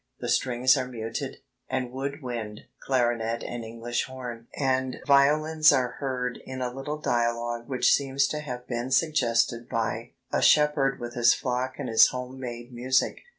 The strings are muted, and wood wind (clarinet and English horn) and violins are heard in a little dialogue which seems to have been suggested by 'a shepherd with his flock and his home made music.'...